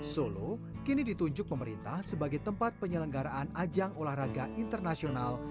solo kini ditunjuk pemerintah sebagai tempat penyelenggaraan ajang olahraga internasional